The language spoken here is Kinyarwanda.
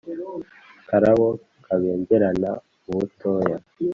Karabo kabengerana ubutoya